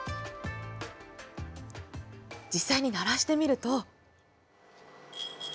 実際に鳴らしてみると。